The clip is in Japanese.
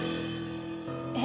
え！？